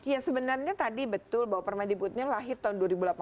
ya sebenarnya tadi betul bahwa permadiputnya lahir tahun dua ribu delapan belas